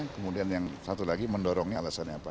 kemudian yang satu lagi mendorongnya alasannya apa